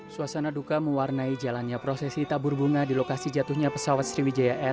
suasana duka mewarnai jalannya prosesi tabur bunga di lokasi jatuhnya pesawat sriwijaya air